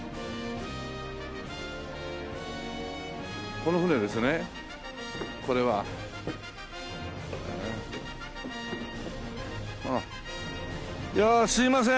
この船ですねこれは。いやすみません。